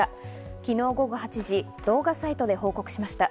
昨日午後８時、動画サイトで報告しました。